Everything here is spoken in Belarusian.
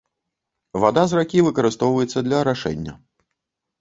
Вада з ракі выкарыстоўваецца для арашэння.